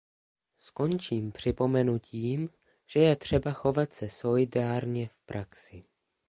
Skončím připomenutím, že je třeba chovat se solidárně v praxi.